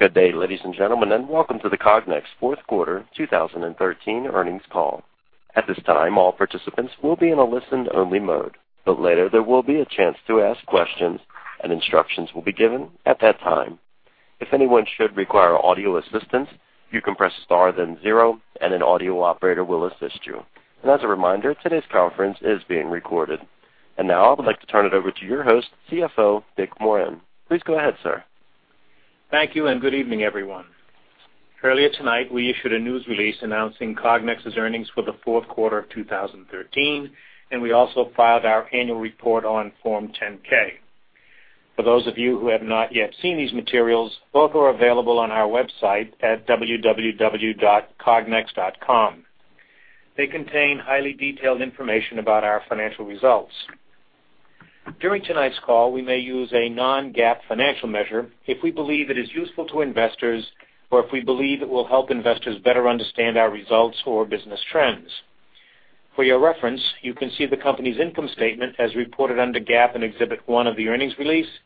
Good day, ladies and gentlemen, and welcome to the Cognex fourth quarter 2013 earnings call. At this time, all participants will be in a listen-only mode, but later there will be a chance to ask questions and instructions will be given at that time. If anyone should require audio assistance, you can press star, then zero, and an audio operator will assist you. And as a reminder, today's conference is being recorded. And now I would like to turn it over to your host, CFO Rich Morin. Please go ahead, sir. Thank you, and good evening, everyone. Earlier tonight, we issued a news release announcing Cognex's earnings for the fourth quarter of 2013, and we also filed our annual report on Form 10-K. For those of you who have not yet seen these materials, both are available on our website at www.cognex.com. They contain highly detailed information about our financial results. During tonight's call, we may use a non-GAAP financial measure if we believe it is useful to investors or if we believe it will help investors better understand our results or business trends. For your reference, you can see the company's income statement as reported under GAAP in Exhibit 1 of the earnings release,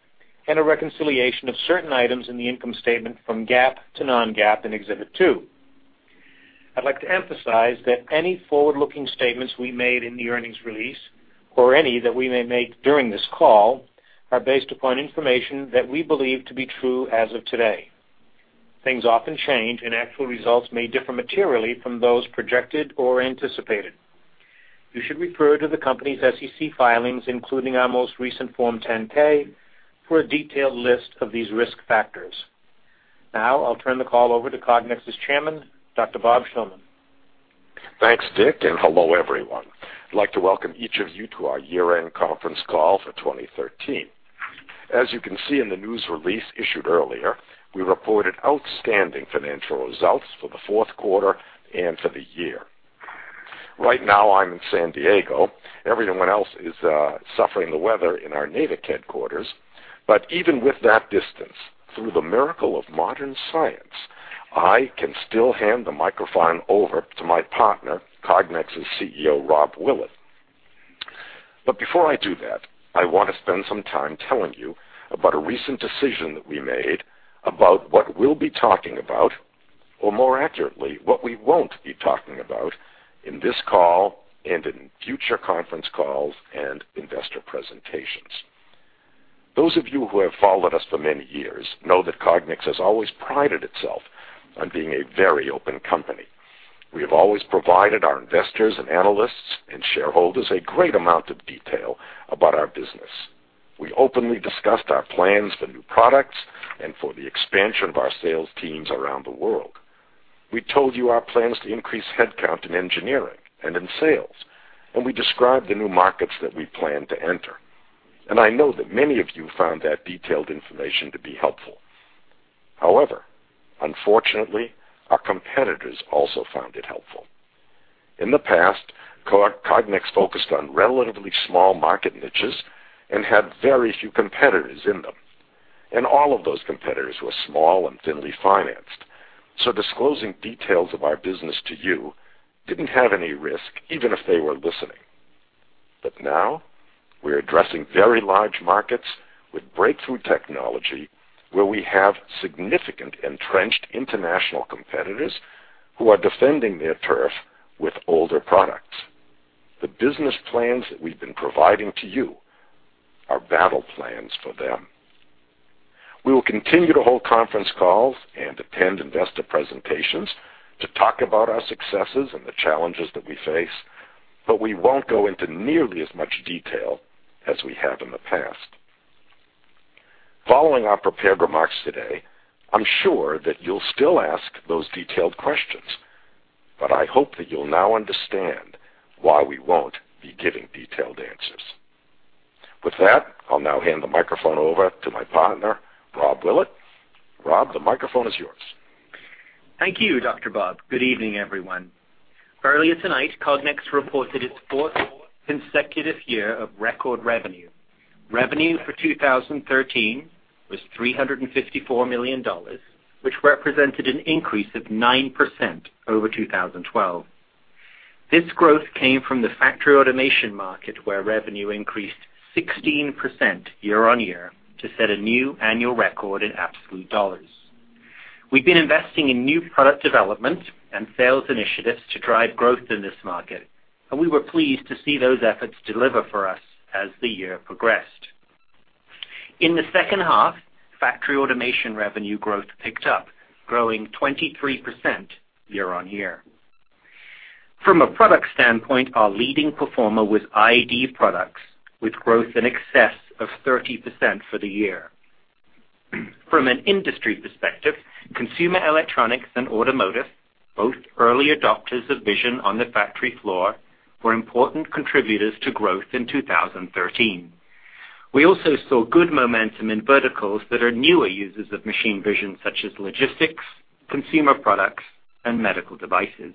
and a reconciliation of certain items in the income statement from GAAP to non-GAAP in Exhibit 2. I'd like to emphasize that any forward-looking statements we made in the earnings release, or any that we may make during this call, are based upon information that we believe to be true as of today. Things often change, and actual results may differ materially from those projected or anticipated. You should refer to the company's SEC filings, including our most recent Form 10-K, for a detailed list of these risk factors. Now I'll turn the call over to Cognex's chairman, Dr. Rob Shillman. Thanks, Rich, and hello, everyone. I'd like to welcome each of you to our year-end conference call for 2013. As you can see in the news release issued earlier, we reported outstanding financial results for the fourth quarter and for the year. Right now, I'm in San Diego. Everyone else is suffering the weather in our Natick headquarters. But even with that distance, through the miracle of modern science, I can still hand the microphone over to my partner, Cognex's CEO, Rob Willett. But before I do that, I want to spend some time telling you about a recent decision that we made about what we'll be talking about, or more accurately, what we won't be talking about in this call and in future conference calls and investor presentations. Those of you who have followed us for many years know that Cognex has always prided itself on being a very open company. We have always provided our investors and analysts and shareholders a great amount of detail about our business. We openly discussed our plans for new products and for the expansion of our sales teams around the world. We told you our plans to increase headcount in engineering and in sales, and we described the new markets that we plan to enter, and I know that many of you found that detailed information to be helpful. However, unfortunately, our competitors also found it helpful. In the past, Cognex focused on relatively small market niches and had very few competitors in them, and all of those competitors were small and thinly financed, so disclosing details of our business to you didn't have any risk, even if they were listening. But now we're addressing very large markets with breakthrough technology, where we have significant entrenched international competitors who are defending their turf with older products. The business plans that we've been providing to you are battle plans for them. We will continue to hold conference calls and attend investor presentations to talk about our successes and the challenges that we face, but we won't go into nearly as much detail as we have in the past. Following our prepared remarks today, I'm sure that you'll still ask those detailed questions, but I hope that you'll now understand why we won't be giving detailed answers. With that, I'll now hand the microphone over to my partner, Rob Willett. Rob, the microphone is yours. Thank you, Dr. Rob. Good evening, everyone. Earlier tonight, Cognex reported its fourth consecutive year of record revenue. Revenue for 2013 was $354 million, which represented an increase of 9% over 2012. This growth came from the factory automation market, where revenue increased 16% year-over-year to set a new annual record in absolute dollars. We've been investing in new product development and sales initiatives to drive growth in this market, and we were pleased to see those efforts deliver for us as the year progressed. In the second half, factory automation revenue growth picked up, growing 23% year-over-year. From a product standpoint, our leading performer was ID products, with growth in excess of 30% for the year. From an industry perspective, consumer electronics and automotive, both early adopters of vision on the factory floor, were important contributors to growth in 2013. We also saw good momentum in verticals that are newer users of machine vision, such as logistics, consumer products, and medical devices.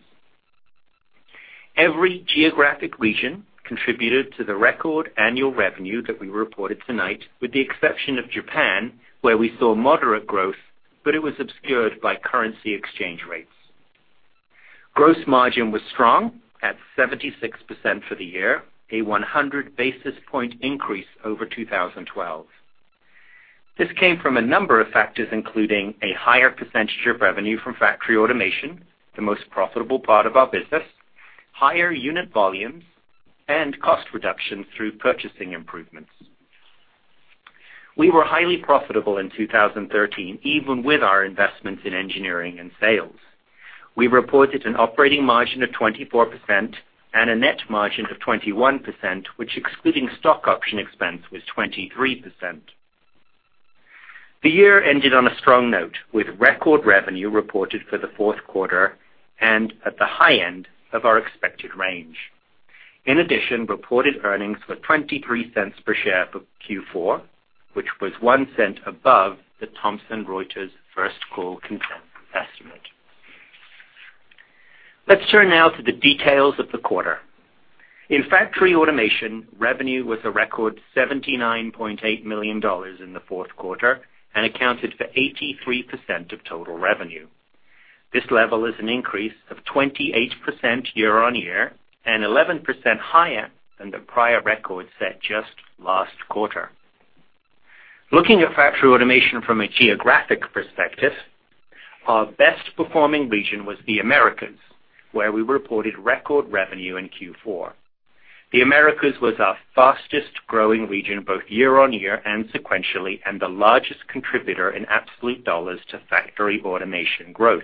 Every geographic region contributed to the record annual revenue that we reported tonight, with the exception of Japan, where we saw moderate growth, but it was obscured by currency exchange rates. Gross margin was strong at 76% for the year, a 100 basis point increase over 2012. This came from a number of factors, including a higher percentage of revenue from factory automation, the most profitable part of our business, higher unit volumes, and cost reductions through purchasing improvements. We were highly profitable in 2013, even with our investments in engineering and sales. We reported an operating margin of 24% and a net margin of 21%, which, excluding stock option expense, was 23%. The year ended on a strong note, with record revenue reported for the fourth quarter and at the high end of our expected range. In addition, reported earnings were $0.23 per share for Q4, which was $0.01 above the Thomson Reuters First Call consensus estimate. Let's turn now to the details of the quarter. In factory automation, revenue was a record $79.8 million in the fourth quarter, and accounted for 83% of total revenue. This level is an increase of 28% year-on-year, and 11% higher than the prior record set just last quarter. Looking at factory automation from a geographic perspective, our best performing region was the Americas, where we reported record revenue in Q4. The Americas was our fastest growing region, both year-on-year and sequentially, and the largest contributor in absolute dollars to factory automation growth.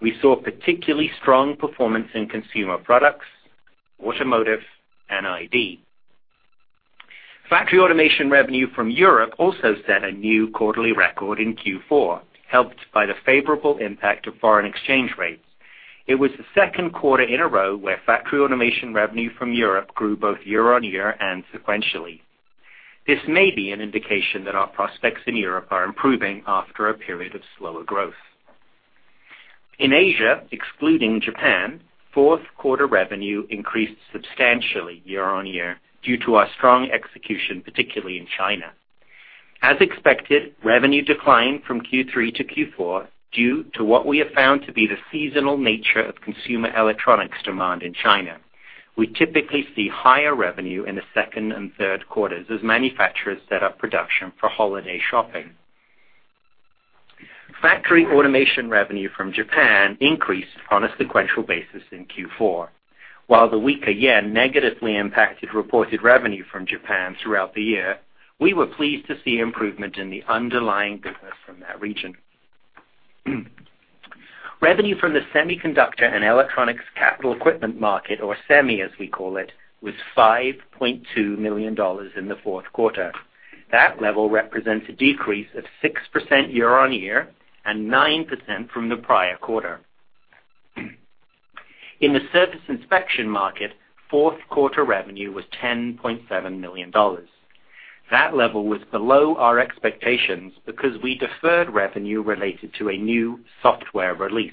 We saw particularly strong performance in consumer products, automotive, and ID. Factory automation revenue from Europe also set a new quarterly record in Q4, helped by the favorable impact of foreign exchange rates. It was the second quarter in a row where factory automation revenue from Europe grew both year-on-year and sequentially. This may be an indication that our prospects in Europe are improving after a period of slower growth. In Asia, excluding Japan, fourth quarter revenue increased substantially year-on-year due to our strong execution, particularly in China. As expected, revenue declined from Q3 to Q4, due to what we have found to be the seasonal nature of consumer electronics demand in China. We typically see higher revenue in the second and third quarters as manufacturers set up production for holiday shopping. Factory automation revenue from Japan increased on a sequential basis in Q4. While the weaker yen negatively impacted reported revenue from Japan throughout the year, we were pleased to see improvement in the underlying business from that region. Revenue from the Semiconductor and Electronics Capital Equipment market, or SEMI, as we call it, was $5.2 million in the fourth quarter. That level represents a decrease of 6% year-on-year and 9% from the prior quarter. In the surface inspection market, fourth quarter revenue was $10.7 million. That level was below our expectations because we deferred revenue related to a new software release.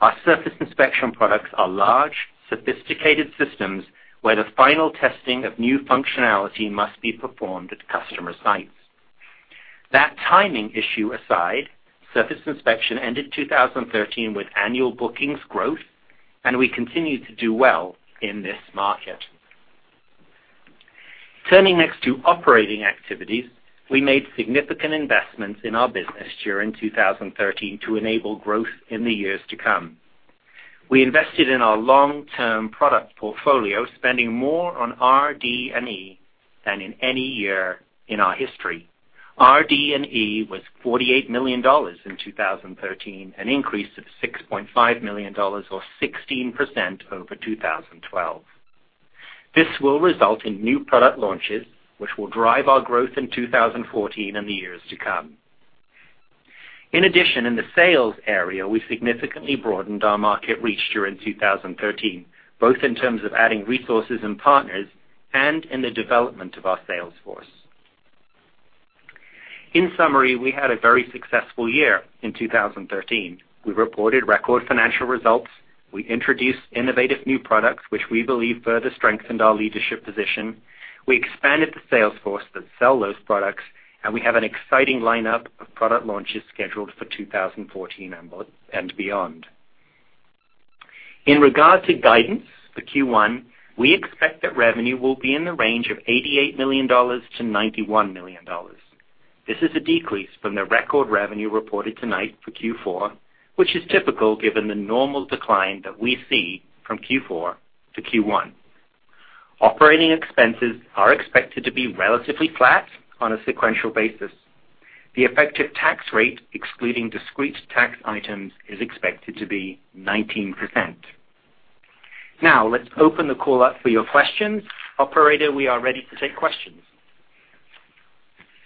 Our surface inspection products are large, sophisticated systems, where the final testing of new functionality must be performed at customer sites. That timing issue aside, surface inspection ended 2013 with annual bookings growth, and we continue to do well in this market. Turning next to operating activities. We made significant investments in our business during 2013 to enable growth in the years to come. We invested in our long-term product portfolio, spending more on RD&E than in any year in our history. RD&E was $48 million in 2013, an increase of $6.5 million, or 16% over 2012. This will result in new product launches, which will drive our growth in 2014 and the years to come. In addition, in the sales area, we significantly broadened our market reach during 2013, both in terms of adding resources and partners and in the development of our sales force. In summary, we had a very successful year in 2013. We reported record financial results. We introduced innovative new products, which we believe further strengthened our leadership position. We expanded the sales force that sell those products, and we have an exciting lineup of product launches scheduled for 2014 and beyond. In regard to guidance for Q1, we expect that revenue will be in the range of $88 million-$91 million. This is a decrease from the record revenue reported tonight for Q4, which is typical given the normal decline that we see from Q4 to Q1. Operating expenses are expected to be relatively flat on a sequential basis. The effective tax rate, excluding discrete tax items, is expected to be 19%. Now, let's open the call up for your questions. Operator, we are ready to take questions.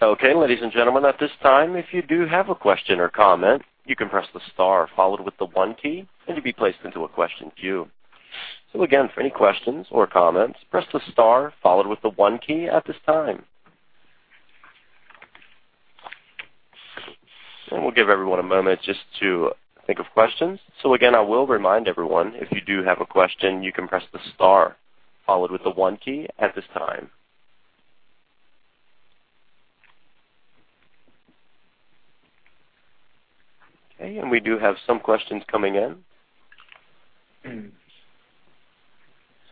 Okay, ladies and gentlemen, at this time, if you do have a question or comment, you can press the star followed with the one key, and you'll be placed into a question queue. So again, for any questions or comments, press the star followed with the one key at this time. And we'll give everyone a moment just to think of questions. So again, I will remind everyone, if you do have a question, you can press the star followed with the one key at this time.... Okay, and we do have some questions coming in.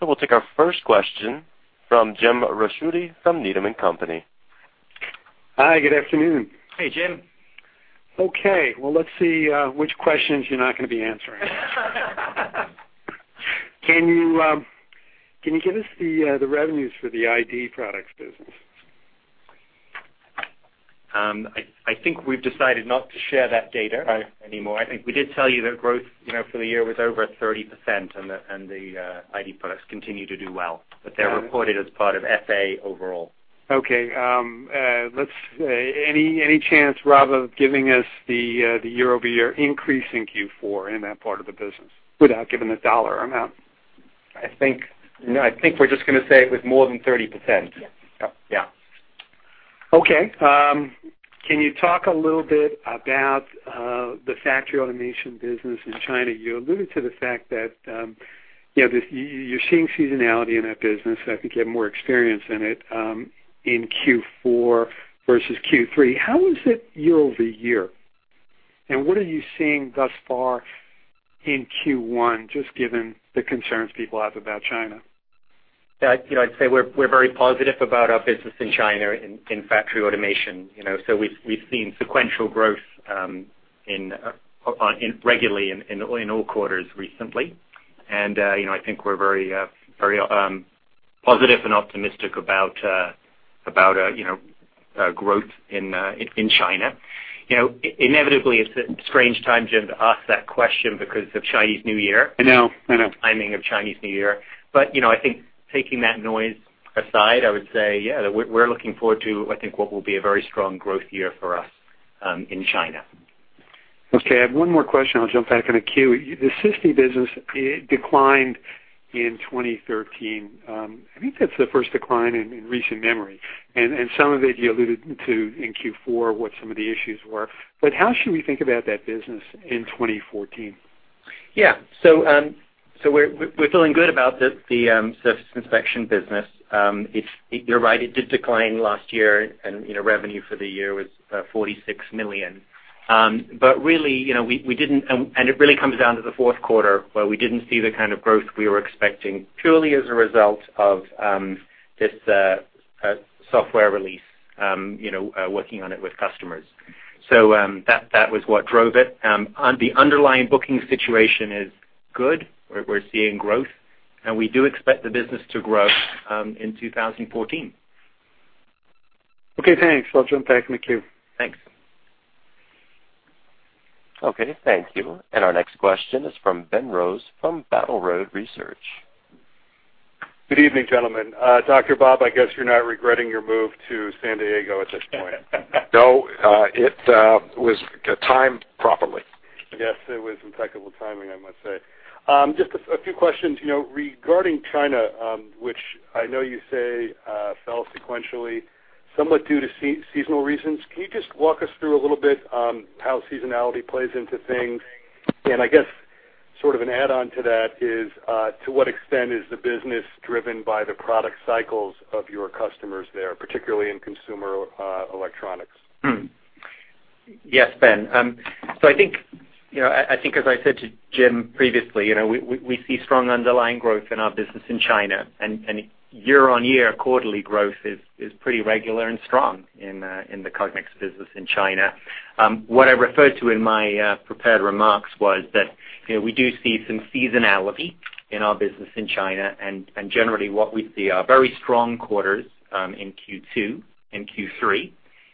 So we'll take our first question from James Ricchiuti from Needham & Company. Hi, good afternoon. Hey, Jim. Okay, well, let's see which questions you're not gonna be answering. Can you give us the revenues for the ID products business? I think we've decided not to share that data anymore. Right. I think we did tell you that growth, you know, for the year was over 30%, and the ID products continue to do well, but they're reported as part of FA overall. Okay, any chance, rather, of giving us the year-over-year increase in Q4 in that part of the business without giving the dollar amount? I think, no, I think we're just gonna say it was more than 30%. Yes. Yep, yeah. Okay, can you talk a little bit about the Factory Automation business in China? You alluded to the fact that, you know, this, you're seeing seasonality in that business. I think you have more experience in it in Q4 versus Q3. How is it year-over-year? And what are you seeing thus far in Q1, just given the concerns people have about China? Yeah, you know, I'd say we're very positive about our business in China, in factory automation. You know, so we've seen sequential growth in regularly in all quarters recently. And you know, I think we're very positive and optimistic about you know growth in China. You know, inevitably, it's a strange time, Jim, to ask that question because of Chinese New Year. I know, I know. Timing of Chinese New Year. But, you know, I think taking that noise aside, I would say, yeah, we're, we're looking forward to, I think, what will be a very strong growth year for us, in China. Okay, I have one more question. I'll jump back in the queue. The system business declined in 2013. I think that's the first decline in recent memory. And some of it you alluded to in Q4, what some of the issues were. But how should we think about that business in 2014? Yeah. So, we're feeling good about the surface inspection business. It's. You're right, it did decline last year, and, you know, revenue for the year was $46 million. But really, you know, it really comes down to the fourth quarter, where we didn't see the kind of growth we were expecting, purely as a result of this software release, you know, working on it with customers. So, that was what drove it. On the underlying booking situation is good. We're seeing growth, and we do expect the business to grow in 2014. Okay, thanks. I'll jump back in the queue. Thanks. Okay, thank you. Our next question is from Ben Rose, from Battle Road Research. Good evening, gentlemen. Dr. Rob, I guess you're not regretting your move to San Diego at this point? No, it was timed properly. Yes, it was impeccable timing, I must say. Just a few questions. You know, regarding China, which I know you say fell sequentially, somewhat due to seasonal reasons. Can you just walk us through a little bit, how seasonality plays into things? And I guess sort of an add-on to that is, to what extent is the business driven by the product cycles of your customers there, particularly in consumer electronics? Yes, Ben. So I think, you know, I think as I said to Jim previously, you know, we see strong underlying growth in our business in China, and year-on-year quarterly growth is pretty regular and strong in the Cognex business in China. What I referred to in my prepared remarks was that, you know, we do see some seasonality in our business in China, and generally, what we see are very strong quarters in Q2 and Q3,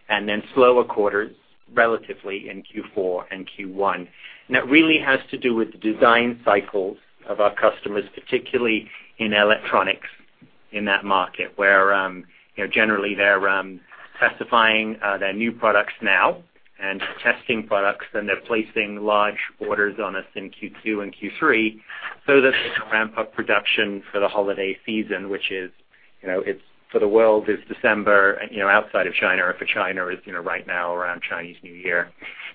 and then slower quarters, relatively in Q4 and Q1. It really has to do with the design cycles of our customers, particularly in electronics in that market, where, you know, generally they're specifying their new products now and testing products, then they're placing large orders on us in Q2 and Q3 so that they can ramp up production for the holiday season, which is, you know, it's for the world, is December, you know, outside of China, or for China is, you know, right now, around Chinese New Year.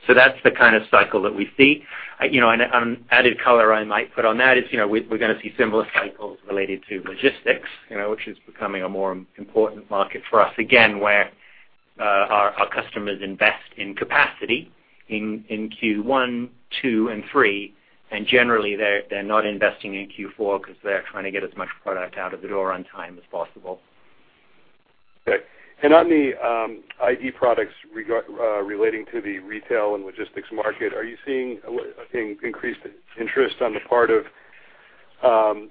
So that's the kind of cycle that we see. You know, and added color I might put on that is, you know, we’re gonna see similar cycles related to logistics, you know, which is becoming a more important market for us again, where our customers invest in capacity in Q1, Q2 and Q3, and generally, they’re not investing in Q4 ’cause they’re trying to get as much product out of the door on time as possible. Okay. And on the ID products relating to the retail and logistics market, are you seeing, I think, increased interest on the part of,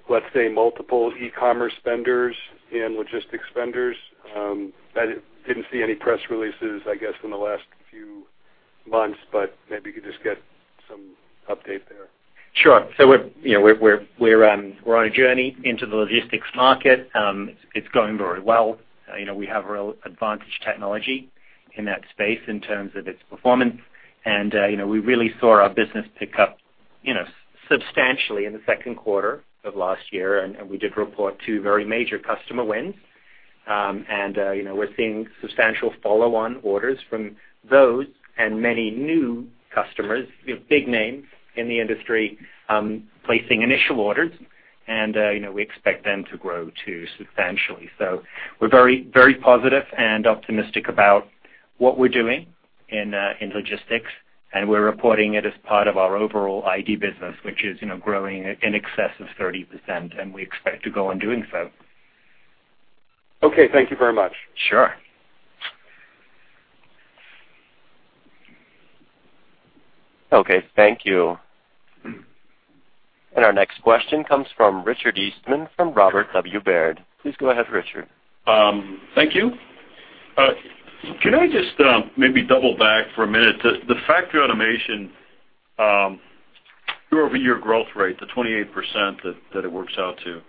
let's say, multiple e-commerce vendors and logistics vendors? I didn't see any press releases, I guess, in the last few months, but maybe you could just get some update there. Sure. So we're, you know, on a journey into the logistics market. It's going very well. You know, we have real advantage technology in that space in terms of its performance. And, you know, we really saw our business pick up, you know, substantially in the second quarter of last year, and we did report two very major customer wins. And, you know, we're seeing substantial follow-on orders from those and many new customers, you know, big names in the industry, placing initial orders, and, you know, we expect them to grow, too, substantially. So we're very, very positive and optimistic about what we're doing in logistics, and we're reporting it as part of our overall ID business, which is, you know, growing in excess of 30%, and we expect to go on doing so. Okay, thank you very much. Sure. Okay, thank you. Our next question comes from Richard Eastman from Robert W. Baird. Please go ahead, Richard. Thank you. Can I just maybe double back for a minute? The factory automation year-over-year growth rate, the 28% that it works out to,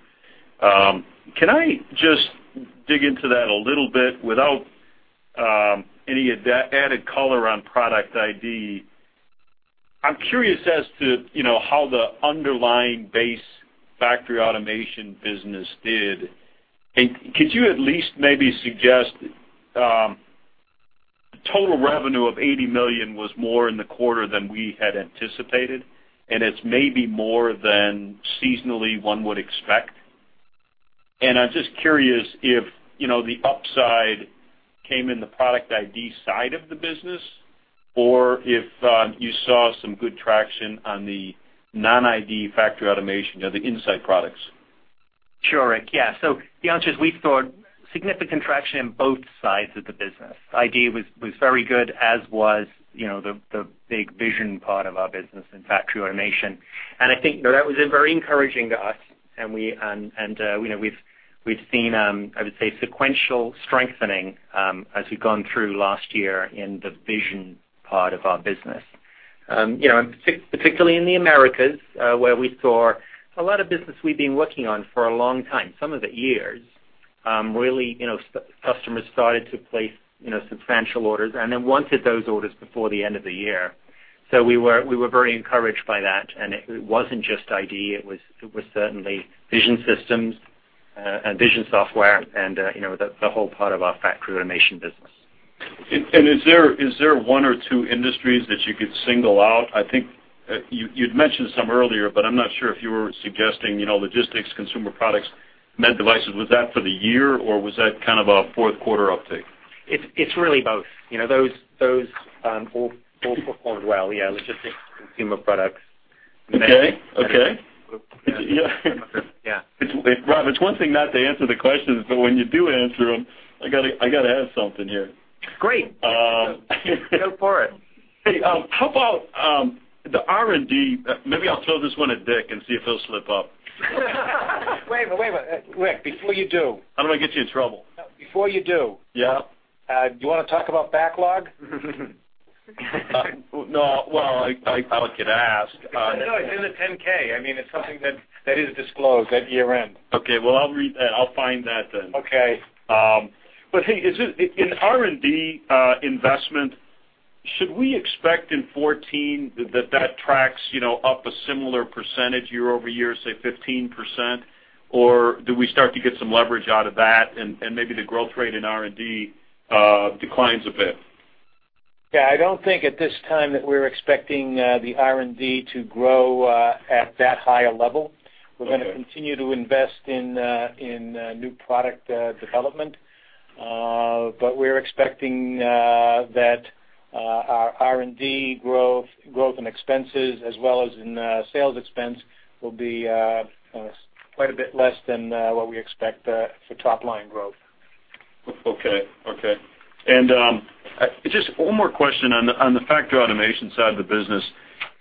can I just dig into that a little bit without any added color on product ID? I'm curious as to, you know, how the underlying base factory automation business did, and could you at least maybe suggest total revenue of $80 million was more in the quarter than we had anticipated, and it's maybe more than seasonally one would expect. And I'm just curious if, you know, the upside came in the product ID side of the business, or if you saw some good traction on the non-ID factory automation or the In-Sight products? Sure, Rick. Yeah, so the answer is we saw significant traction in both sides of the business. ID was very good, as was, you know, the big vision part of our business in factory automation. And I think, you know, that was very encouraging to us, and we, you know, we've seen, I would say, sequential strengthening, as we've gone through last year in the vision part of our business. You know, and particularly in the Americas, where we saw a lot of business we've been working on for a long time, some of it years, really, you know, customers started to place, you know, substantial orders and then wanted those orders before the end of the year. So we were, we were very encouraged by that, and it, it wasn't just ID, it was, it was certainly vision systems, and vision software and, you know, the, the whole part of our factory automation business. And is there one or two industries that you could single out? I think you'd mentioned some earlier, but I'm not sure if you were suggesting, you know, logistics, consumer products, med devices. Was that for the year, or was that kind of a fourth quarter uptake? It's really both. You know, those all performed well. Yeah, logistics, consumer products. Okay. Okay. Yeah. Yeah. Rob, it's one thing not to answer the questions, but when you do answer them, I gotta have something here. Great! Um, Go for it. Hey, how about the R&D? Maybe I'll throw this one at Rich and see if he'll slip up. Wait a minute, wait a minute, Rick, before you do- I don't want to get you in trouble. Before you do. Yeah. Do you wanna talk about backlog? No. Well, I thought I could ask, No, it's in the 10-K. I mean, it's something that is disclosed at year-end. Okay. Well, I'll read... I'll find that then. Okay. But hey, is it in R&D investment? Should we expect in 2014 that tracks you know up a similar percentage year-over-year, say, 15%? Or do we start to get some leverage out of that and maybe the growth rate in R&D declines a bit? Yeah, I don't think at this time that we're expecting the R&D to grow at that high a level. Okay. We're gonna continue to invest in new product development. But we're expecting that our R&D growth in expenses as well as in sales expense will be quite a bit less than what we expect for top-line growth. Okay. Okay. And just one more question on the factory automation side of the business.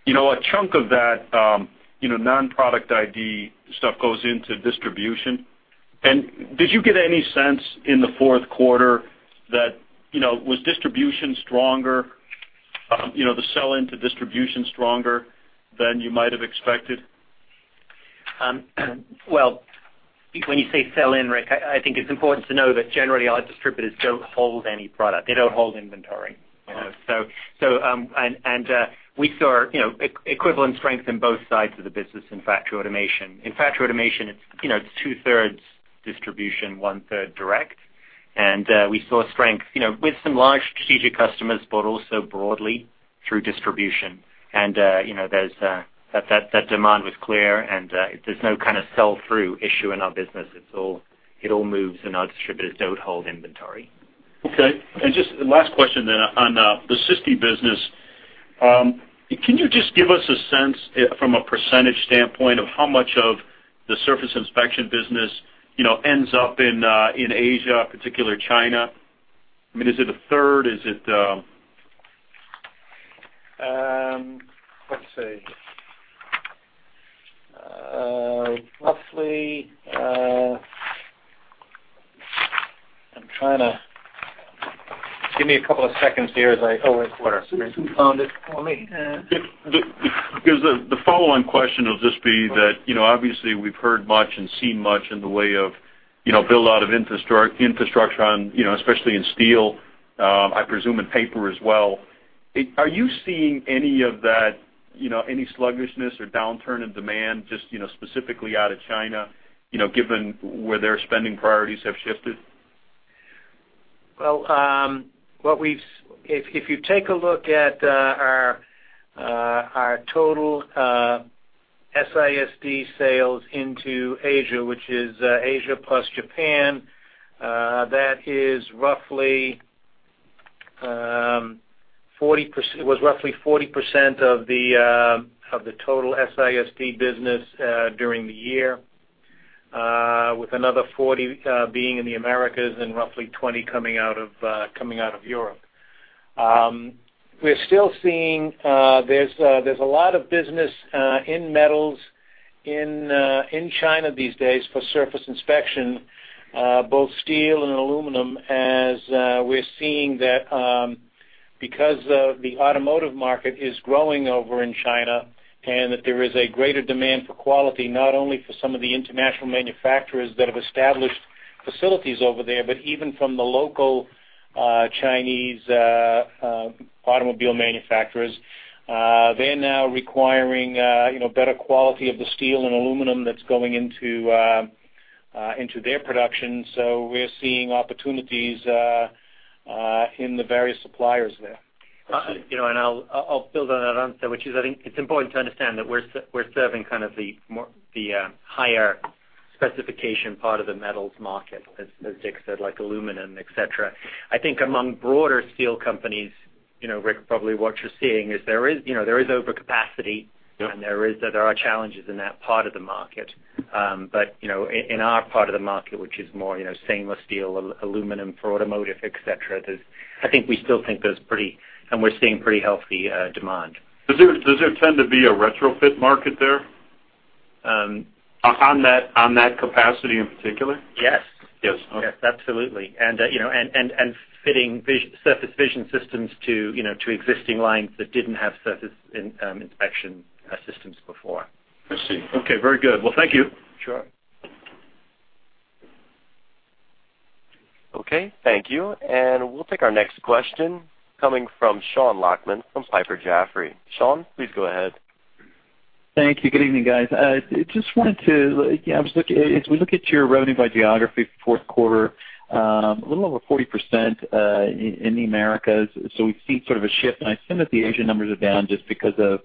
You know, a chunk of that, you know, non-product ID stuff goes into distribution. And did you get any sense in the fourth quarter that, you know, was distribution stronger, you know, the sell-in to distribution stronger than you might have expected? Well, when you say sell-in, Rick, I think it's important to know that generally, our distributors don't hold any product. They don't hold inventory. You know, so we saw, you know, equivalent strength in both sides of the business in Factory Automation. In Factory Automation, it's, you know, it's two-thirds distribution, one-third direct. And we saw strength, you know, with some large strategic customers, but also broadly through distribution. And you know, that demand was clear, and there's no kind of sell-through issue in our business. It's all, it all moves, and our distributors don't hold inventory. Okay. And just last question then on the Sisti business. Can you just give us a sense from a percentage standpoint of how much of the surface inspection business, you know, ends up in, in Asia, particularly China? I mean, is it a third? Is it... Roughly, give me a couple of seconds here as I pull my quarter. Someone found it for me. Because the follow-on question will just be that, you know, obviously, we've heard much and seen much in the way of, you know, build out of infrastructure on, you know, especially in steel, I presume in paper as well. Are you seeing any of that, you know, any sluggishness or downturn in demand, just, you know, specifically out of China, you know, given where their spending priorities have shifted?... Well, if you take a look at our total SISD sales into Asia, which is Asia plus Japan, that was roughly 40% of the total SISD business during the year, with another 40% being in the Americas, and roughly 20% coming out of Europe. We're still seeing there's a lot of business in metals in China these days for surface inspection, both steel and aluminum, as we're seeing that because of the automotive market is growing over in China, and that there is a greater demand for quality, not only for some of the international manufacturers that have established facilities over there, but even from the local Chinese automobile manufacturers. They're now requiring, you know, better quality of the steel and aluminum that's going into their production. So we're seeing opportunities in the various suppliers there. You know, and I'll build on that answer, which is, I think it's important to understand that we're serving kind of the more higher specification part of the metals market, as Rich said, like aluminum, et cetera. I think among broader steel companies, you know, Rick, probably what you're seeing is there is, you know, there is overcapacity- Yep. There is, there are challenges in that part of the market. But, you know, in our part of the market, which is more, you know, stainless steel, aluminum for automotive, et cetera, there's... I think we still think there's pretty and we're seeing pretty healthy demand. Does there tend to be a retrofit market there on that capacity in particular? Yes. Yes, okay. Yes, absolutely. And, you know, fitting surface vision systems to, you know, to existing lines that didn't have surface inspection systems before. I see. Okay. Very good. Well, thank you. Sure. Okay. Thank you, and we'll take our next question coming from Sean Langan from Piper Jaffray. Sean, please go ahead. Thank you. Good evening, guys. I just wanted to, yeah, I was looking, as we look at your revenue by geography, fourth quarter, a little over 40% in the Americas. So we've seen sort of a shift, and I assume that the Asian numbers are down just because of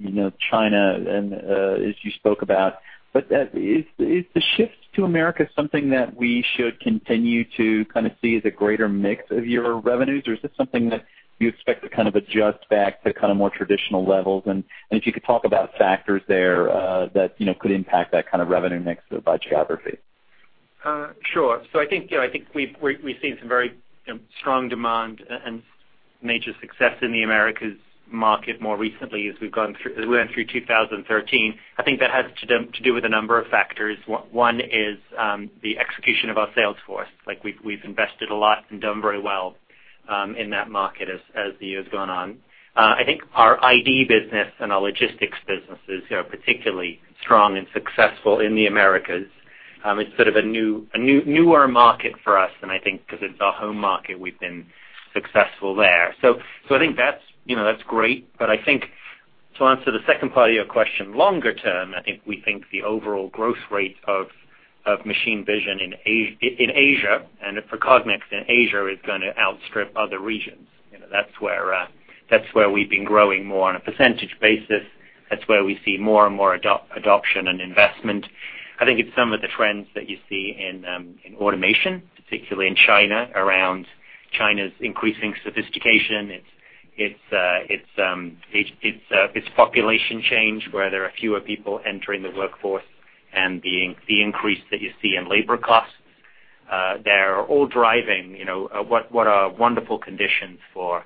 you know, China and as you spoke about. But, is the shift to Americas something that we should continue to kind of see as a greater mix of your revenues, or is this something that you expect to kind of adjust back to kind of more traditional levels? And if you could talk about factors there that you know could impact that kind of revenue mix by geography. Sure. So I think, you know, I think we've seen some very strong demand and major success in the Americas market more recently as we went through 2013. I think that has to do with a number of factors. One is the execution of our sales force. Like we've invested a lot and done very well in that market as the year's gone on. I think our ID business and our logistics businesses are particularly strong and successful in the Americas. It's sort of a newer market for us, and I think because it's our home market, we've been successful there. So I think that's, you know, that's great. But I think to answer the second part of your question, longer term, I think we think the overall growth rate of machine vision in Asia, and for Cognex in Asia, is gonna outstrip other regions. You know, that's where we've been growing more on a percentage basis. That's where we see more and more adoption and investment. I think it's some of the trends that you see in automation, particularly in China, around China's increasing sophistication. It's population change, where there are fewer people entering the workforce and the increase that you see in labor costs. They're all driving, you know, what are wonderful conditions for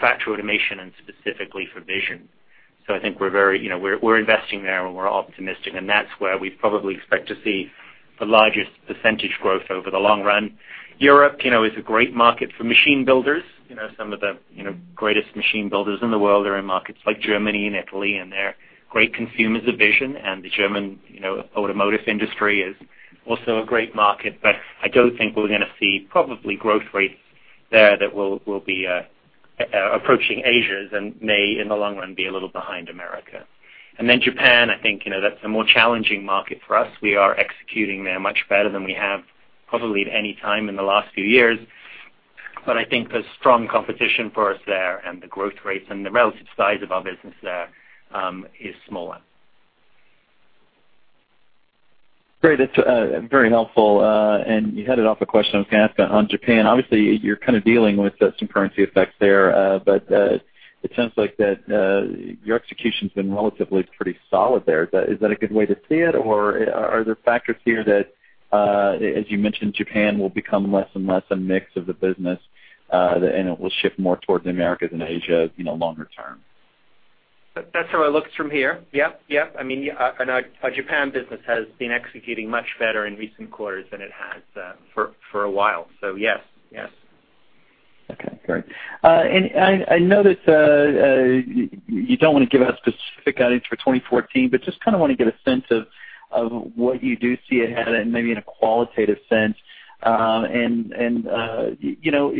factory automation and specifically for vision. So I think we're very, you know, we're investing there, and we're optimistic, and that's where we probably expect to see the largest percentage growth over the long run. Europe, you know, is a great market for machine builders. You know, some of the, you know, greatest machine builders in the world are in markets like Germany and Italy, and they're great consumers of vision. And the German, you know, automotive industry is also a great market, but I don't think we're gonna see probably growth rates there that will be approaching Asia's and may, in the long run, be a little behind America. And then Japan, I think, you know, that's a more challenging market for us. We are executing there much better than we have probably at any time in the last few years. I think there's strong competition for us there, and the growth rates and the relative size of our business there is smaller. Great. That's very helpful, and you headed off a question I was gonna ask on Japan. Obviously, you're kind of dealing with some currency effects there, but it sounds like that your execution's been relatively pretty solid there. Is that a good way to see it, or are there factors here that, as you mentioned, Japan will become less and less a mix of the business, and it will shift more towards the Americas and Asia, you know, longer term? That's how it looks from here. Yep, yep. I mean, and our Japan business has been executing much better in recent quarters than it has for a while. So yes, yes. Okay, great. And I noticed. You don't want to give out specific guidance for 2014, but just kind of want to get a sense of what you do see ahead, and maybe in a qualitative sense. And, you know,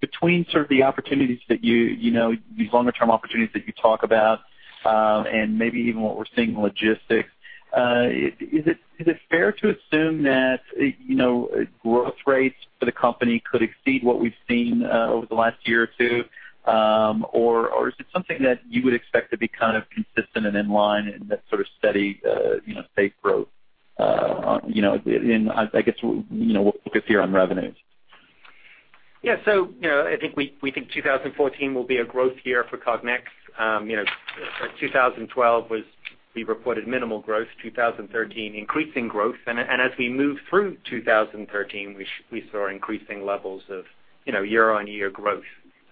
between sort of the opportunities that you, you know, these longer term opportunities that you talk about, and maybe even what we're seeing in logistics, is it fair to assume that, you know, growth rates for the company could exceed what we've seen over the last year or two? Or is it something that you would expect to be kind of consistent and in line and that sort of steady, you know, safe growth, you know, in, I guess, you know, what we could see on revenues? Yeah. So, you know, I think we think 2014 will be a growth year for Cognex. You know, 2012 was, we reported minimal growth, 2013, increasing growth. And as we moved through 2013, we saw increasing levels of, you know, year-on-year growth,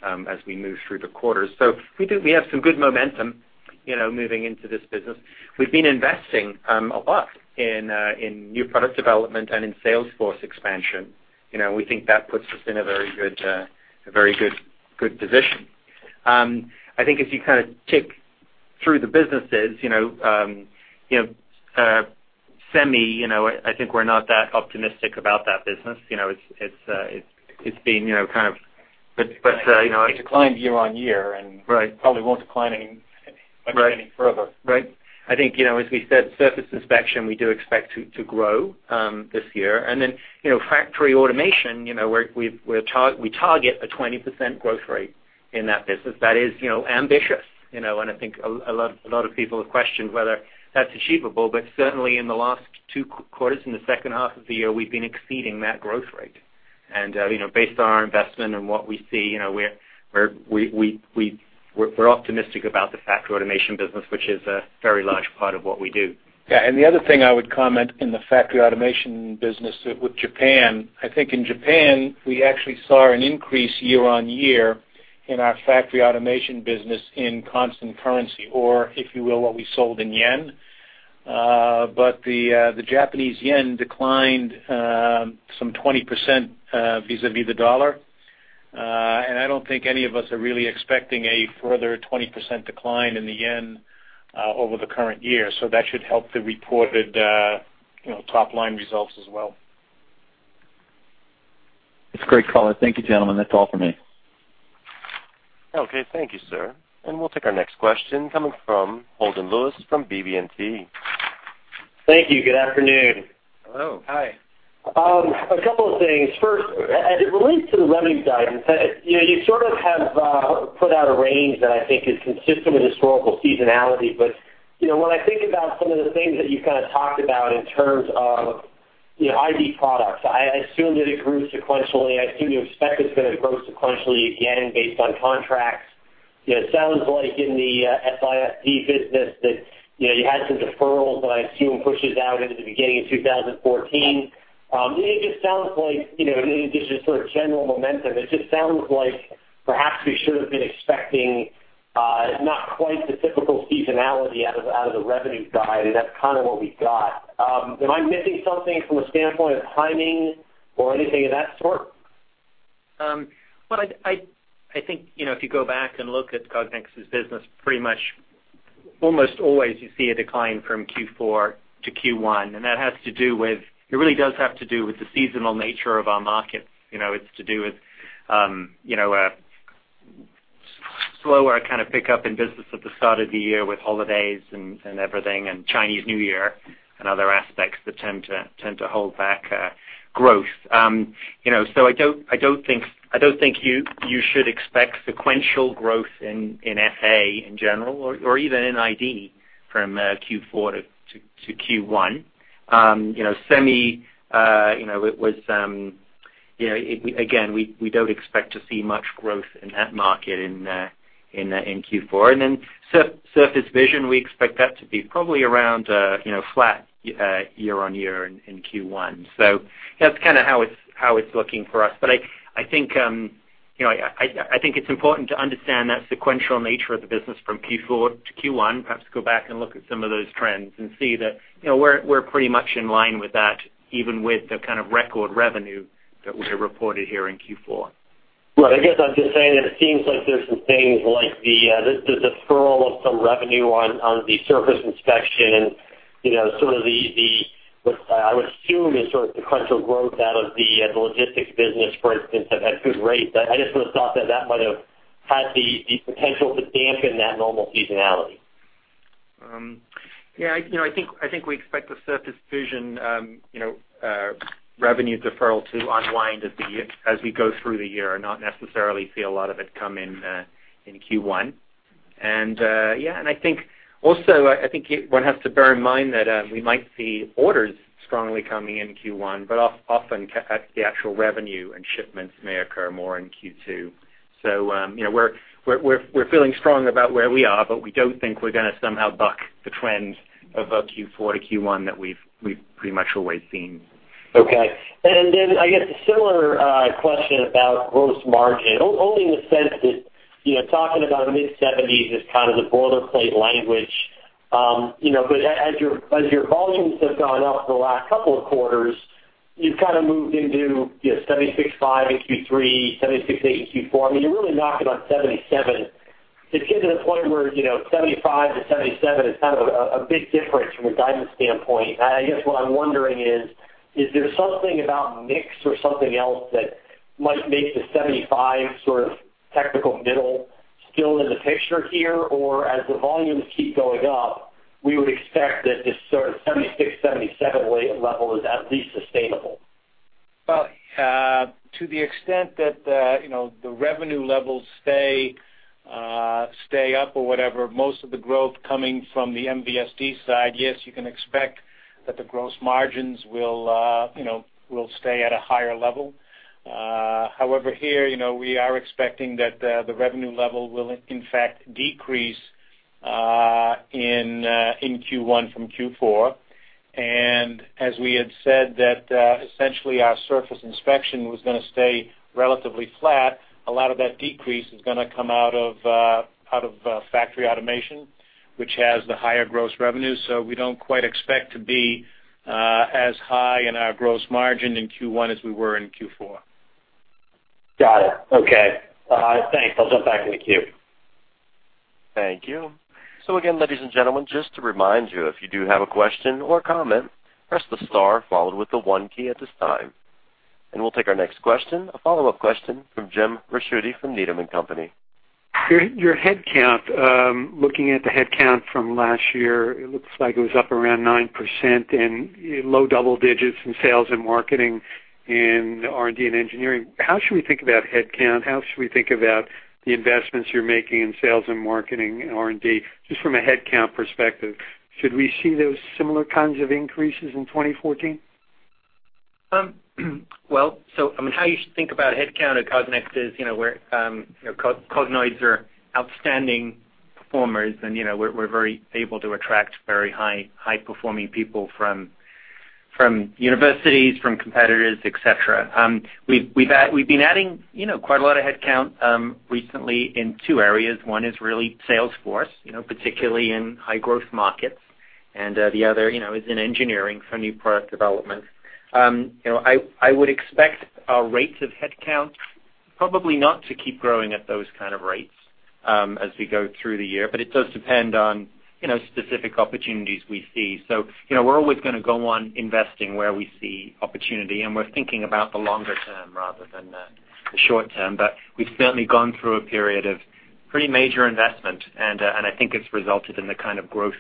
as we moved through the quarters. So we have some good momentum, you know, moving into this business. We've been investing a lot in new product development and in sales force expansion. You know, we think that puts us in a very good position. I think if you kind of tick through the businesses, you know, you know, semi, you know, I think we're not that optimistic about that business. You know, it's been, you know, kind of, but, you know- It declined year-over-year, and- Right. Probably won't decline any further. Right. I think, you know, as we said, surface inspection, we do expect to grow this year. And then, you know, factory automation, you know, we're targeting a 20% growth rate in that business. That is, you know, ambitious, you know, and I think a lot of people have questioned whether that's achievable. But certainly, in the last two quarters, in the second half of the year, we've been exceeding that growth rate. And, you know, based on our investment and what we see, you know, we're optimistic about the factory automation business, which is a very large part of what we do. Yeah, and the other thing I would comment in the factory automation business with Japan, I think in Japan, we actually saw an increase year-on-year in our factory automation business in constant currency, or if you will, what we sold in yen. But the Japanese yen declined some 20% vis-à-vis the dollar. And I don't think any of us are really expecting a further 20% decline in the yen over the current year. So that should help the reported, you know, top-line results as well. It's a great call. Thank you, gentlemen. That's all for me. Okay, thank you, sir. We'll take our next question coming from Holden Lewis from BB&T. Thank you. Good afternoon. Hello. Hi. A couple of things. First, as it relates to the revenue guidance, you know, you sort of have put out a range that I think is consistent with historical seasonality. But, you know, when I think about some of the things that you kind of talked about in terms of, you know, ID products, I assume that it grew sequentially. I assume you expect it's going to grow sequentially again, based on contracts. It sounds like in the SISD business that, you know, you had some deferrals that I assume pushes out into the beginning of 2014. It just sounds like, you know, and this is sort of general momentum, it just sounds like perhaps we should have been expecting not quite the typical seasonality out of the revenue guide, and that's kind of what we've got. Am I missing something from a standpoint of timing or anything of that sort? Well, I think, you know, if you go back and look at Cognex's business, pretty much almost always you see a decline from Q4 to Q1, and that has to do with it really does have to do with the seasonal nature of our markets. You know, it's to do with, you know, a slower kind of pickup in business at the start of the year with holidays and everything, and Chinese New Year and other aspects that tend to hold back growth. You know, so I don't think you should expect sequential growth in FA in general or even in ID from Q4 to Q1. You know, SEMI, you know, it was, you know, it again, we don't expect to see much growth in that market in Q4. And then surface vision, we expect that to be probably around, you know, flat year-over-year in Q1. So that's kind of how it's looking for us. But I think, you know, I think it's important to understand that sequential nature of the business from Q4 to Q1. Perhaps go back and look at some of those trends and see that, you know, we're pretty much in line with that, even with the kind of record revenue that we reported here in Q4. Well, I guess I'm just saying that it seems like there's some things like the deferral of some revenue on the surface inspection and, you know, some of the what I would assume is sort of sequential growth out of the logistics business, for instance, at good rates. I just would have thought that that might have had the potential to dampen that normal seasonality. Yeah, you know, I think we expect the surface inspection revenue deferral to unwind as the year, as we go through the year, and not necessarily see a lot of it come in in Q1. And yeah, and I think also, I think one has to bear in mind that we might see orders strongly coming in Q1, but often the actual revenue and shipments may occur more in Q2. So, you know, we're feeling strong about where we are, but we don't think we're gonna somehow buck the trend of a Q4 to Q1 that we've pretty much always seen. Okay. And then, I guess a similar question about gross margin, only in the sense that, you know, talking about mid-70s% is kind of the boilerplate language. You know, but as your volumes have gone up for the last couple of quarters, you've kind of moved into, you know, 76.5% in Q3, 76.8% in Q4. I mean, you're really knocking on 77%. It's getting to the point where, you know, 75%-77% is kind of a big difference from a guidance standpoint. I guess what I'm wondering is, is there something about mix or something else that might make the 75% sort of technical middle still in the picture here? Or as the volumes keep going up, we would expect that this sort of 76%-77% level is at least sustainable. Well, to the extent that the, you know, the revenue levels stay up or whatever, most of the growth coming from the MVSD side, yes, you can expect that the gross margins will, you know, will stay at a higher level. However, here, you know, we are expecting that the revenue level will in fact decrease in Q1 from Q4. And as we had said, essentially our Surface Inspection was gonna stay relatively flat. A lot of that decrease is gonna come out of Factory Automation, which has the higher gross revenue. So we don't quite expect to be as high in our gross margin in Q1 as we were in Q4. Got it. Okay. Thanks. I'll jump back in the queue. Thank you. So again, ladies and gentlemen, just to remind you, if you do have a question or comment, press the star followed with the one key at this time. And we'll take our next question, a follow-up question from Jim Ricchiuti from Needham & Company. Your, your headcount, looking at the headcount from last year, it looks like it was up around 9% in low double digits in sales and marketing, in R&D and engineering. How should we think about headcount? How should we think about the investments you're making in sales and marketing and R&D, just from a headcount perspective? Should we see those similar kinds of increases in 2014? Well, so, I mean, how you should think about headcount at Cognex is, you know, we're, Cognex are outstanding performers, and, you know, we're very able to attract very high performing people from universities, from competitors, et cetera. We've been adding, you know, quite a lot of headcount, recently in two areas. One is really sales force, you know, particularly in high growth markets, and, the other, you know, is in engineering for new product development. You know, I would expect our rates of headcount probably not to keep growing at those kind of rates, as we go through the year, but it does depend on, you know, specific opportunities we see. So, you know, we're always gonna go on investing where we see opportunity, and we're thinking about the longer term rather than the short term. But we've certainly gone through a period of pretty major investment, and I think it's resulted in the kind of growth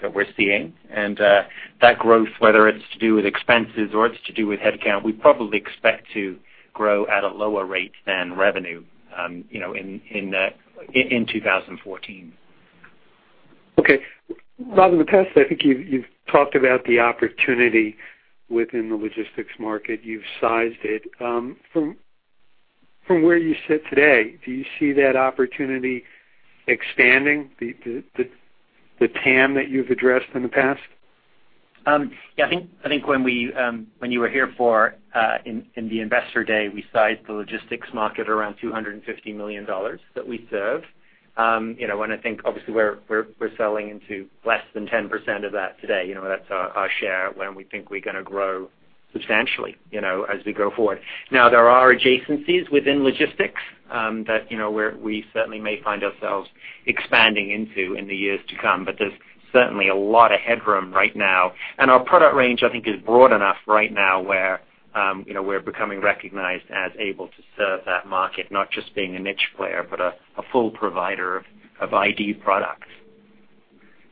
that we're seeing. And that growth, whether it's to do with expenses or it's to do with headcount, we probably expect to grow at a lower rate than revenue, you know, in 2014. Okay. Robert Metcalfe, I think you've talked about the opportunity within the logistics market. You've sized it. From where you sit today, do you see that opportunity expanding, the TAM that you've addressed in the past? Yeah, I think when you were here for the Investor Day, we sized the logistics market around $250 million that we serve. You know, and I think obviously we're selling into less than 10% of that today. You know, that's our share, and we think we're gonna grow substantially, you know, as we go forward. Now, there are adjacencies within logistics that you know, we certainly may find ourselves expanding into in the years to come, but there's certainly a lot of headroom right now. And our product range, I think, is broad enough right now where you know, we're becoming recognized as able to serve that market, not just being a niche player, but a full provider of ID products.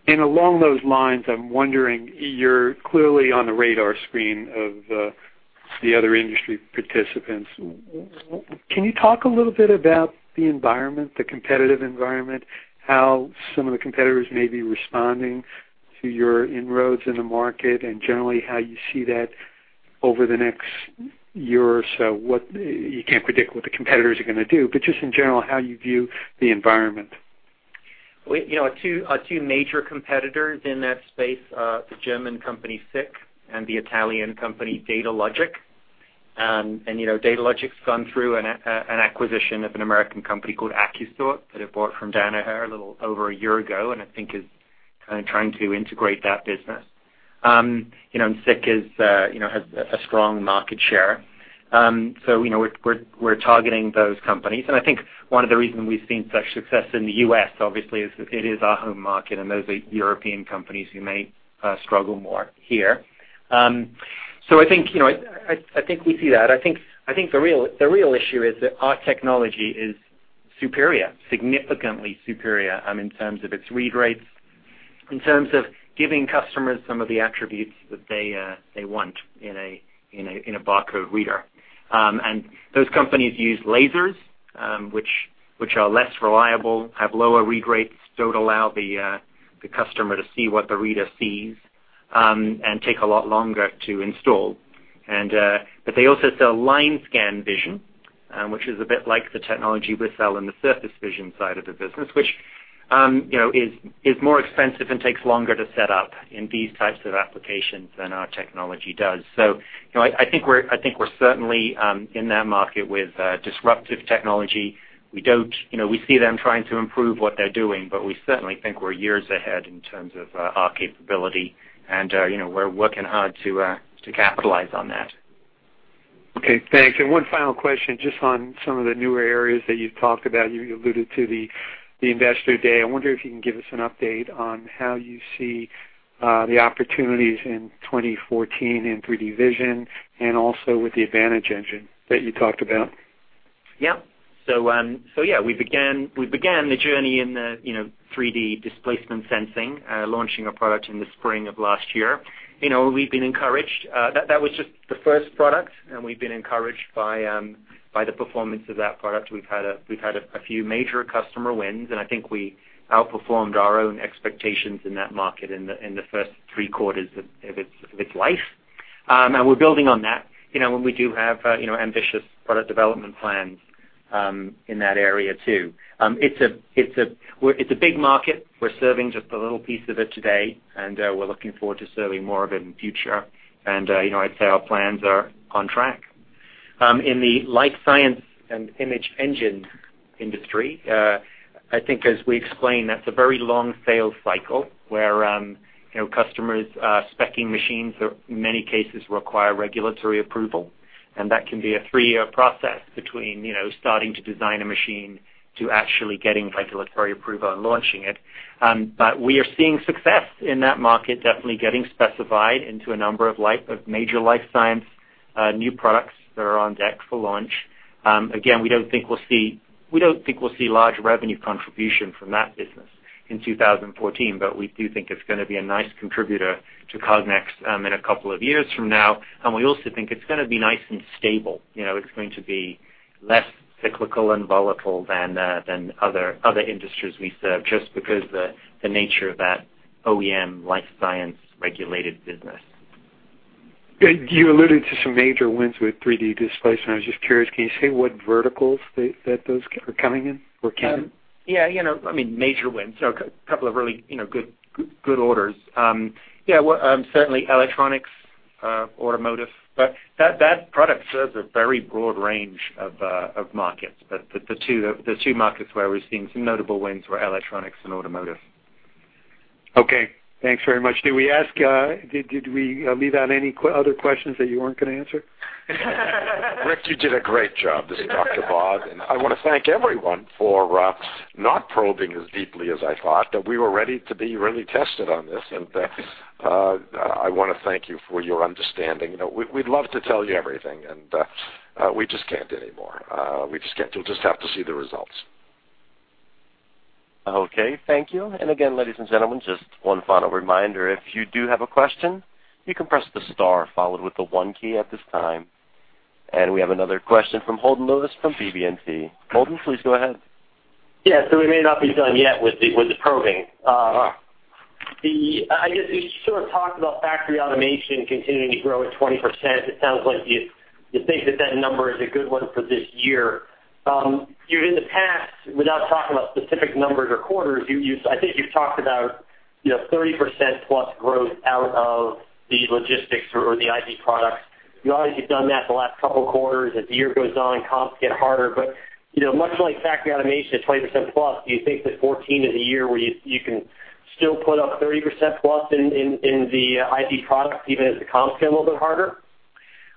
Along those lines, I'm wondering, you're clearly on the radar screen of the other industry participants. Can you talk a little bit about the environment, the competitive environment, how some of the competitors may be responding to your inroads in the market, and generally how you see that over the next year or so? What, you can't predict what the competitors are gonna do, but just in general, how you view the environment. We, you know, our two major competitors in that space, the German company, SICK, and the Italian company, Datalogic. And you know, Datalogic's gone through an acquisition of an American company called Accu-Sort, that it bought from Danaher a little over a year ago, and I think is kind of trying to integrate that business. You know, and SICK is, you know, has a strong market share. So you know, we're targeting those companies. And I think one of the reasons we've seen such success in the U.S., obviously, is it is our home market, and those are European companies who may struggle more here. So I think, you know, I think we see that. I think the real issue is that our technology is superior, significantly superior, in terms of its read rates, in terms of giving customers some of the attributes that they want in a barcode reader. And those companies use lasers, which are less reliable, have lower read rates, don't allow the customer to see what the reader sees, and take a lot longer to install. But they also sell line scan vision, which is a bit like the technology we sell in the surface vision side of the business, which you know is more expensive and takes longer to set up in these types of applications than our technology does. So, you know, I think we're certainly in that market with disruptive technology. We don't... You know, we see them trying to improve what they're doing, but we certainly think we're years ahead in terms of our capability, and, you know, we're working hard to capitalize on that. Okay, thanks. And one final question, just on some of the newer areas that you've talked about. You alluded to the Investor Day. I wonder if you can give us an update on how you see the opportunities in 2014 in 3D vision and also with the Advantage engine that you talked about? Yeah. So, we began the journey in the, you know, 3D displacement sensing, launching a product in the spring of last year. You know, we've been encouraged. That was just the first product, and we've been encouraged by the performance of that product. We've had a few major customer wins, and I think we outperformed our own expectations in that market in the first three quarters of its life. And we're building on that. You know, and we do have ambitious product development plans in that area too. It's a big market. We're serving just a little piece of it today, and we're looking forward to serving more of it in the future. You know, I'd say our plans are on track. In the life science and image engine industry, I think as we explained, that's a very long sales cycle, where, you know, customers, specing machines, or in many cases, require regulatory approval. And that can be a three-year process between, you know, starting to design a machine to actually getting regulatory approval and launching it. But we are seeing success in that market, definitely getting specified into a number of life, of major life science, new products that are on deck for launch. Again, we don't think we'll see, we don't think we'll see large revenue contribution from that business in 2014, but we do think it's gonna be a nice contributor to Cognex, in a couple of years from now. We also think it's gonna be nice and stable. You know, it's going to be less cyclical and volatile than other industries we serve, just because the nature of that OEM life science regulated business. Good. You alluded to some major wins with 3D displacement. I was just curious, can you say what verticals that, that those are coming in or can? Yeah, you know, I mean, major wins. So a couple of really, you know, good, good orders. Yeah, well, certainly electronics, automotive, but that, that product serves a very broad range of, of markets. But the, the two, the two markets where we're seeing some notable wins were electronics and automotive. Okay, thanks very much. Did we ask, did we leave out any other questions that you weren't gonna answer? Rick, you did a great job. This is Dr. Rob, and I wanna thank everyone for not probing as deeply as I thought that we were ready to be really tested on this. And I wanna thank you for your understanding. You know, we, we'd love to tell you everything, and we just can't anymore. We just can't. You'll just have to see the results. Okay, thank you. And again, ladies and gentlemen, just one final reminder, if you do have a question, you can press the star followed with the one key at this time. And we have another question from Holden Lewis, from BB&T. Holden, please go ahead. Yeah, so we may not be done yet with the probing. I guess, you sort of talked about factory automation continuing to grow at 20%. It sounds like you think that that number is a good one for this year. In the past, without talking about specific numbers or quarters, you, I think you've talked about, you know, 30%+ growth out of the logistics or the ID products. You obviously have done that the last couple of quarters. As the year goes on, comps get harder. But, you know, much like factory automation at 20%+, do you think that 2014 is a year where you can still put up 30%+ in the ID products, even as the comps get a little bit harder?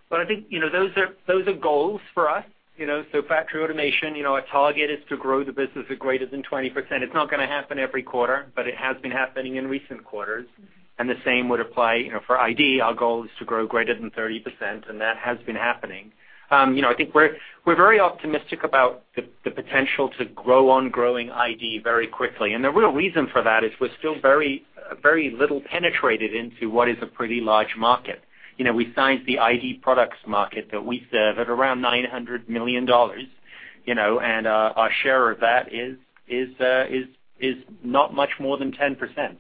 Well, I think, you know, those are goals for us. You know, so Factory Automation, you know, our target is to grow the business at greater than 20%. It's not gonna happen every quarter, but it has been happening in recent quarters, and the same would apply, you know, for ID. Our goal is to grow greater than 30%, and that has been happening. You know, I think we're very optimistic about the potential to grow on growing ID very quickly. And the real reason for that is we're still very, very little penetrated into what is a pretty large market. You know, we size the ID products market that we serve at around $900 million, you know, and our share of that is not much more than 10%,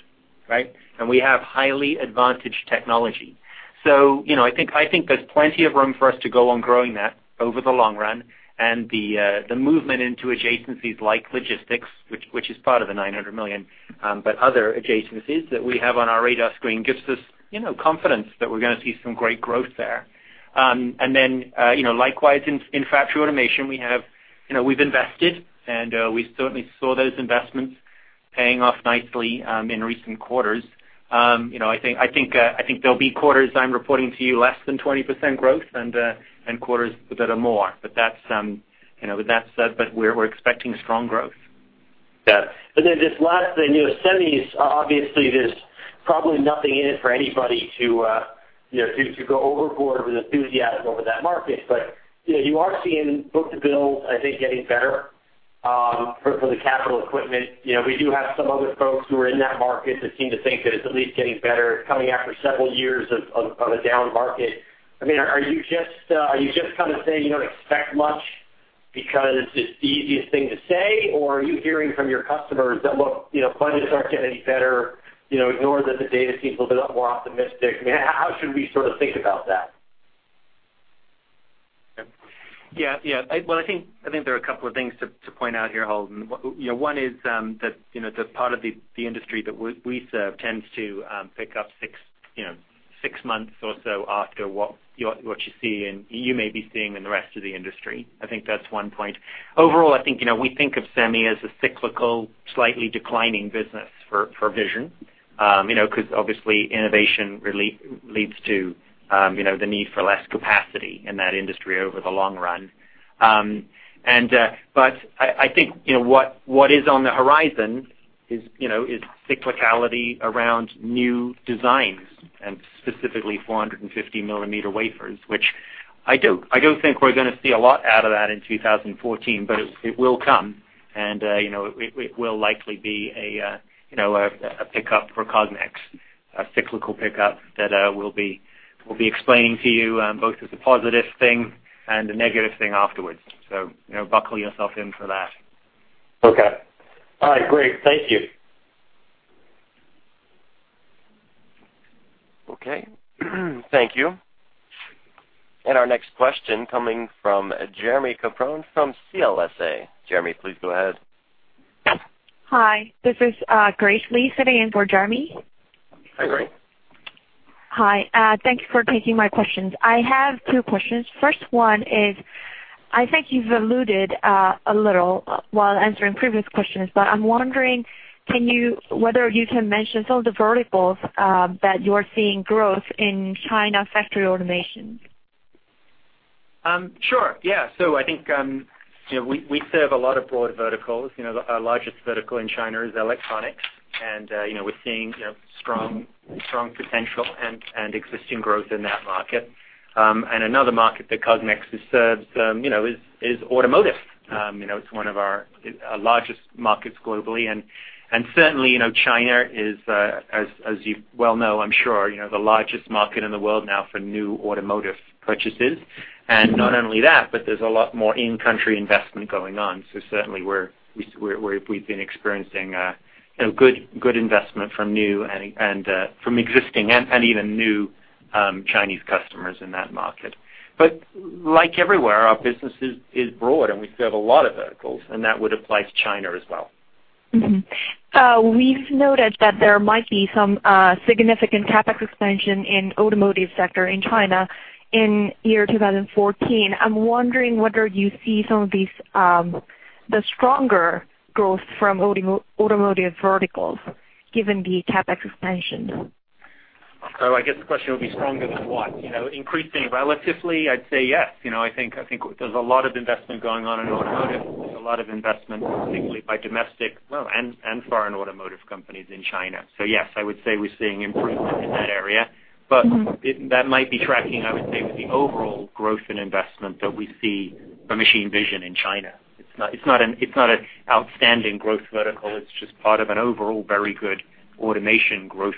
right? And we have highly advantaged technology. So, you know, I think, I think there's plenty of room for us to go on growing that over the long run. And the, the movement into adjacencies like logistics, which is part of the $900 million, but other adjacencies that we have on our radar screen gives us, you know, confidence that we're gonna see some great growth there. And then, you know, likewise in factory automation, we have, you know, we've invested, and, we certainly saw those investments paying off nicely in recent quarters. You know, I think, I think, I think there'll be quarters I'm reporting to you less than 20% growth and, and quarters that are more. But that's, you know, with that said, but we're, we're expecting strong growth. Yeah. But then this last thing, you know, semis, obviously, there's probably nothing in it for anybody to, you know, to go overboard with enthusiasm over that market. But, you know, you are seeing book-to-bill, I think, getting better, for the capital equipment. You know, we do have some other folks who are in that market that seem to think that it's at least getting better, coming after several years of a down market. I mean, are you just kind of saying you don't expect much because it's the easiest thing to say, or are you hearing from your customers that, look, you know, budgets aren't getting any better? You know, ignore that the data seems a little bit more optimistic. I mean, how should we sort of think about that? Yeah, yeah. Well, I think there are a couple of things to point out here, Holden. You know, one is that, you know, the part of the industry that we serve tends to pick up six, you know, six months or so after what you see in, you may be seeing in the rest of the industry. I think that's one point. Overall, I think, you know, we think of semi as a cyclical, slightly declining business for vision. You know, because obviously innovation really leads to, you know, the need for less capacity in that industry over the long run. But I think, you know, what is on the horizon is, you know, is cyclicality around new designs and specifically 450 millimeter wafers, which I don't think we're gonna see a lot out of that in 2014, but it will come and, you know, it will likely be a, you know, a pickup for Cognex, a cyclical pickup that we'll be explaining to you both as a positive thing and a negative thing afterwards. So, you know, buckle yourself in for that. Okay. All right, great. Thank you. Okay, thank you. And our next question coming from Jeremie Capron from CLSA. Jeremie, please go ahead. Hi, this is Grace Lee, sitting in for Jeremie. Hi, Grace. Hi, thank you for taking my questions. I have two questions. First one is, I think you've alluded a little while answering previous questions, but I'm wondering whether you can mention some of the verticals that you're seeing growth in China factory automation? Sure. Yeah. So I think, you know, we serve a lot of broad verticals. You know, our largest vertical in China is electronics, and, you know, we're seeing, you know, strong potential and existing growth in that market. And another market that Cognex serves, you know, is automotive. You know, it's one of our largest markets globally, and, and certainly, you know, China is, as you well know, I'm sure, you know, the largest market in the world now for new automotive purchases. And not only that, but there's a lot more in-country investment going on. So certainly we've been experiencing, you know, good investment from new and from existing and even new Chinese customers in that market. But like everywhere, our business is broad, and we serve a lot of verticals, and that would apply to China as well. Mm-hmm. We've noted that there might be some significant CapEx expansion in the automotive sector in China in 2014. I'm wondering whether you see some of these the stronger growth from automotive verticals, given the CapEx expansion. So I guess the question will be stronger than what? You know, increasing relatively, I'd say yes. You know, I think, I think there's a lot of investment going on in automotive, a lot of investment, particularly by domestic, well, and, and foreign automotive companies in China. So yes, I would say we're seeing improvement in that area. Mm-hmm. That might be tracking, I would say, with the overall growth in investment that we see for machine vision in China. It's not an outstanding growth vertical. It's just part of an overall very good automation growth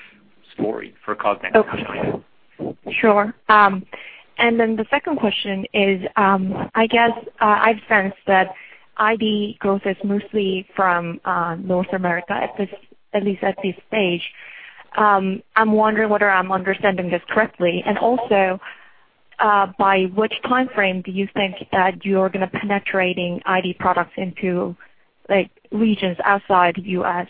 story for Cognex in China. Okay. Sure. And then the second question is, I guess, I've sensed that ID growth is mostly from North America, at least at this stage. I'm wondering whether I'm understanding this correctly, and also, by which timeframe do you think that you're gonna penetrating ID products into, like, regions outside U.S.?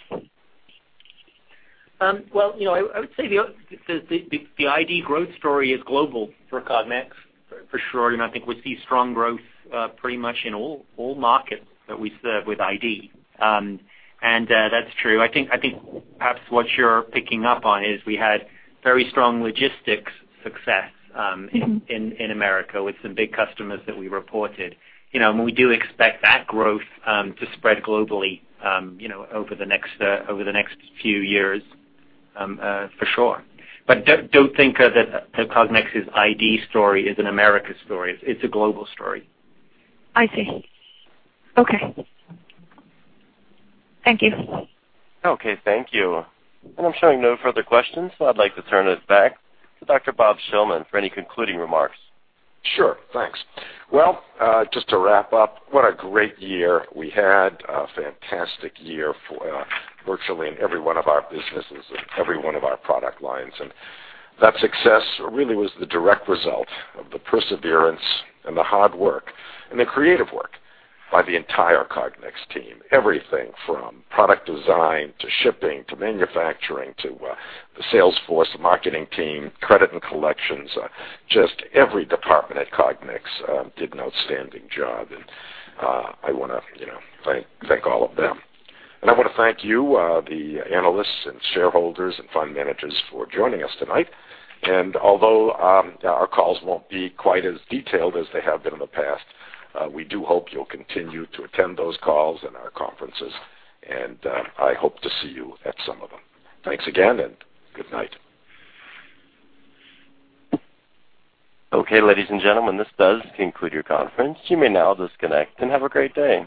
Well, you know, I would say the ID growth story is global for Cognex, for sure, and I think we see strong growth pretty much in all markets that we serve with ID. That's true. I think perhaps what you're picking up on is we had very strong logistics success in- Mm-hmm. in America with some big customers that we reported. You know, and we do expect that growth to spread globally, you know, over the next few years, for sure. But don't think that Cognex's ID story is an America story. It's a global story. I see. Okay. Thank you. Okay, thank you. I'm showing no further questions, so I'd like to turn it back to Dr. Rob Shillman for any concluding remarks. Sure. Thanks. Well, just to wrap up, what a great year! We had a fantastic year for, virtually in every one of our businesses and every one of our product lines. And that success really was the direct result of the perseverance and the hard work and the creative work by the entire Cognex team. Everything from product design to shipping, to manufacturing, to, the sales force, the marketing team, credit and collections, just every department at Cognex, did an outstanding job, and, I wanna, you know, thank, thank all of them. And I wanna thank you, the analysts and shareholders and fund managers for joining us tonight. Although our calls won't be quite as detailed as they have been in the past, we do hope you'll continue to attend those calls and our conferences, and I hope to see you at some of them. Thanks again, and good night. Okay, ladies and gentlemen, this does conclude your conference. You may now disconnect and have a great day.